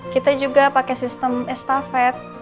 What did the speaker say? kita juga pakai sistem estafet